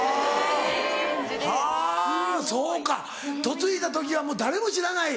嫁いだ時はもう誰も知らない。